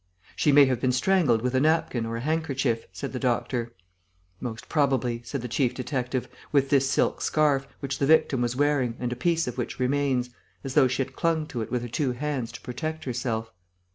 "She may have been strangled with a napkin or a handkerchief," said the doctor. "Most probably," said the chief detective, "with this silk scarf, which the victim was wearing and a piece of which remains, as though she had clung to it with her two hands to protect herself."